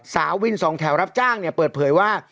สาววินสองแถวรับจ้างเนี่ยเปิดเผยว่า